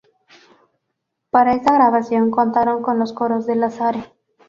Para esta grabación contaron con los coros de Lazare.